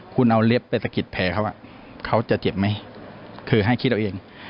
คุณเอาเล็บไปสะกิดแผลเขาเขาจะเจ็บไหมคือให้คิดเอาเอง